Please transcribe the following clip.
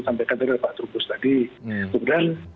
sampaikan tadi pak trubus tadi kemudian